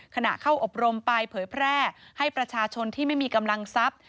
เข้าอบรมไปเผยแพร่ให้ประชาชนที่ไม่มีกำลังทรัพย์